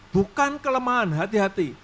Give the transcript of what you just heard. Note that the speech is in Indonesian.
bukan kelemahan hati hati